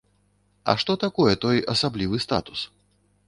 А што такое той асаблівы статус?